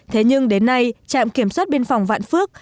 thế nhưng đến nay trạm kiểm soát biên phòng vạn phước